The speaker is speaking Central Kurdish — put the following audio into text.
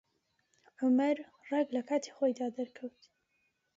عومەر ڕێک لە کاتی خۆیدا دەرکەوت.